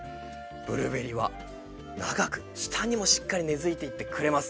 ブルーベリーは長く下にもしっかり根づいていってくれます